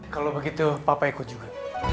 kalau begitu papa ikut juga